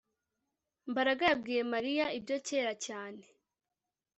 Mbaraga yabwiye Mariya ibyo kera cyane